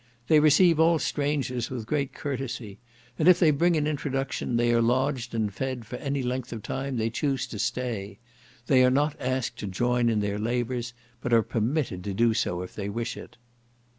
They receive all strangers with great courtesy, and if they bring an introduction they are lodged and fed for any length of time they choose to stay; they are not asked to join in their labours, but are permitted to do so if they wish it.